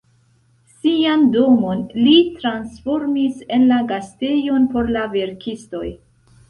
Sian domon li transformis en la gastejon por la verkistoj.